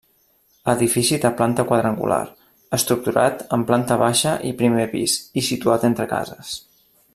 Edifici de planta quadrangular, estructurat en planta baixa i primer pis i situat entre cases.